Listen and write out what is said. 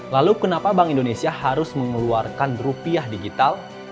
lalu kenapa bank indonesia harus mengeluarkan rupiah digital